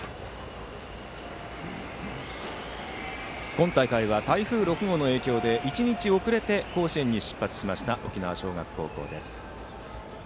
今大会は台風６号の影響で１日遅れて甲子園に出発しました沖縄尚学高校です。